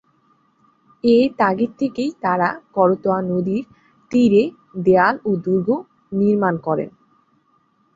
এ তাগিদ থেকেই তারা করতোয়া নদীর তীরে দেয়াল ও দুর্গ নির্মাণ করেন।